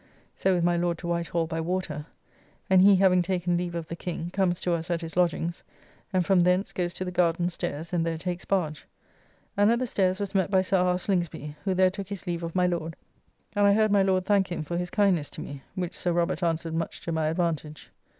So with my Lord to Whitehall by water, and he having taken leave of the King, comes to us at his lodgings and from thence goes to the garden stairs and there takes barge, and at the stairs was met by Sir R. Slingsby, who there took his leave of my Lord, and I heard my Lord thank him for his kindness to me, which Sir Robert answered much to my advantage.